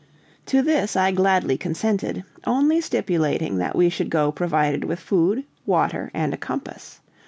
To this I gladly consented, only stipulating that we should go provided with food, water, and a compass.